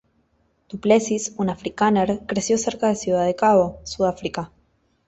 Du Plessis, un afrikáner, creció cerca de Ciudad de Cabo, Sudáfrica.